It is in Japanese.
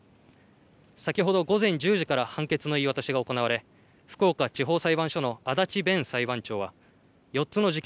先ほど午前１０時から判決の言い渡しが行われ福岡地方裁判所の足立勉裁判長は４つの事件